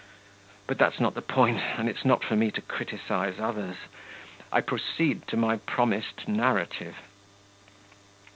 But that's not the point, and it's not for me to criticise others. I proceed to my promised narrative.